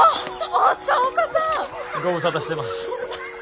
ご無沙汰してます。